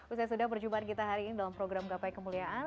usai sudah perjumpaan kita hari ini dalam program gapai kemuliaan